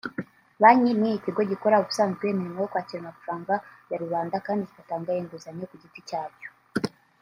Banki ni ikigo gikora ubusanzwe imirimo yo kwakira amafaranga ya rubanda kandi kigatanga inguzanyo ku giti cyacyo